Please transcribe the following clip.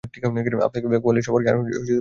আপনাকে কোয়ালিস্ট সম্পর্কে আর কোনো বই দেয়া যাবে না।